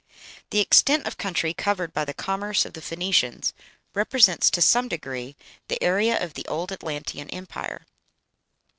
The extent of country covered by the commerce of the Phoenicians represents to some degree the area of the old Atlantean Empire.